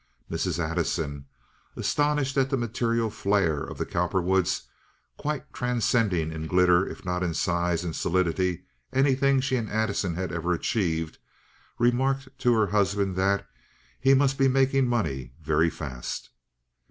Mrs. Addison, astonished at the material flare of the Cowperwoods, quite transcending in glitter if not in size and solidity anything she and Addison had ever achieved, remarked to her husband that "he must be making money very fast."